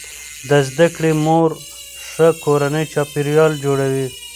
د زده کړې مور ښه کورنی چاپیریال جوړوي.